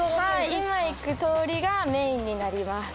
今行く通りがメインになります。